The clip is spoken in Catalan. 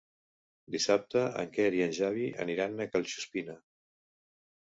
Dissabte en Quer i en Xavi aniran a Collsuspina.